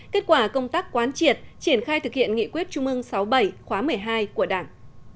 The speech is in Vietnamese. kết quả công tác quán triệt triển khai thực hiện nghị quyết trung ương sáu bảy khóa một mươi hai của đảng